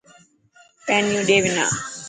فئنيون ڏي منا.